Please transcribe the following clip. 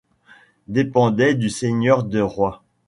Dépendait du seigneur de Roys.